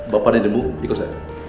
bapak dan ibu di koset